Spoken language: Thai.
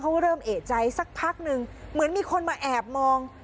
เริ่มเอกใจสักพักนึงเหมือนมีคนมาแอบมอง